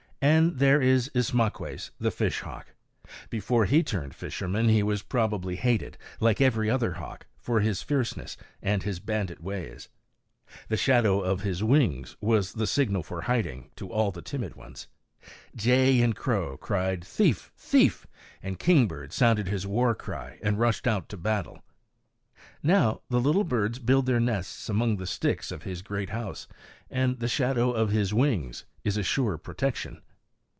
And there is Ismaques the fishhawk. Before he turned fisherman he was probably hated, like every other hawk, for his fierceness and his bandit ways. The shadow of his wings was the signal for hiding to all the timid ones. Jay and crow cried Thief! thief! and kingbird sounded his war cry and rushed out to battle. Now the little birds build their nests among the sticks of his great house, and the shadow of his wings is a sure protection.